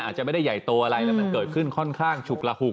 อาจจะไม่ได้ใหญ่โตอะไรแล้วมันเกิดขึ้นค่อนข้างฉุกระหุก